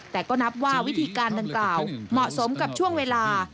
แต่ก็นับว่าวิธีการดังกล่าวเหมาะสมกับช่วงเวลา